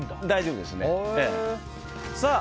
大丈夫ですね。